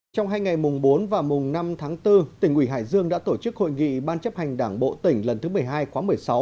trong hai ngày mùng bốn và mùng năm tháng bốn tỉnh ủy hải dương đã tổ chức hội nghị ban chấp hành đảng bộ tỉnh lần thứ một mươi hai khóa một mươi sáu